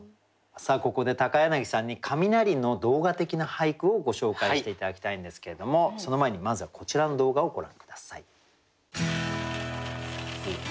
ここで柳さんに雷の動画的な俳句をご紹介して頂きたいんですけれどもその前にまずはこちらの動画をご覧下さい。